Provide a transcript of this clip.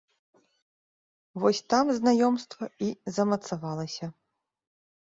Вось там знаёмства і замацавалася.